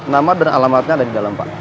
nama dan alamatnya ada di dalam pak